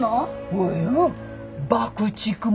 およ爆竹も。